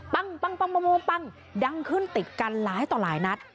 ปังปังปังปังดังขึ้นติดกันร้ายต่อหลายนัด